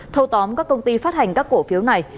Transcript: thâu tóm các công ty phát hành các cổ phiếu này